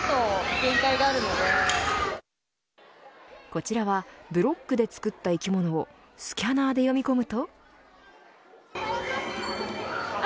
こちらはブロックで作った生き物をスキャナーで読み込むと。